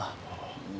うん。